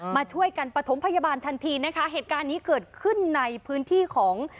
มาช่วยกันประถมพยาบาลทันทีนะคะเหตุการณ์นี้เกิดขึ้นในพื้นที่ของ